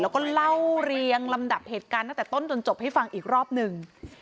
แล้วก็เล่าเรียงลำดับเหตุการณ์ตั้งแต่ต้นจนจบให้ฟังอีกรอบหนึ่ง